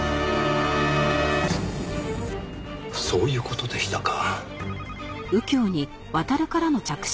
そういう事でしたか。